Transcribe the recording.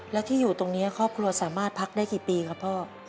แล้วที่อยู่ตรงนี้ครอบครัวสามารถพักได้กี่ปีครับพ่อ